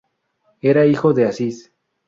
Era hijo de Aziz.